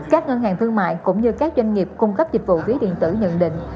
các ngân hàng thương mại cũng như các doanh nghiệp cung cấp dịch vụ ví điện tử nhận định